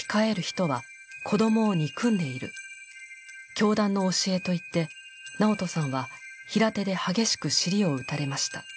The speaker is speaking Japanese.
教団の教えと言ってナオトさんは平手で激しく尻を打たれました。